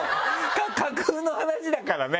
架空の話だからね！